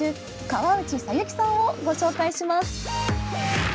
河内桜雪さんをご紹介します。